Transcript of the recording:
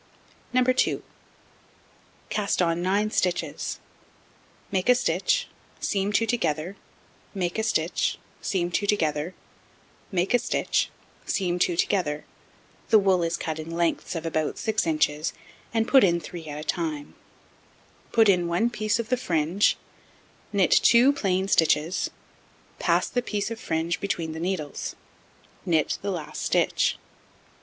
No. 2. Cast on 9 stitches, make a stitch, seam 2 together, make a stitch, seam 2 together, make a stitch, seam 2 together (the wool is cut in lengths of about 6 inches and put in 3 at a time), put in 1 piece of the fringe, knit 2 plain stitches, pass the piece of fringe between the needles, knit the last stitch.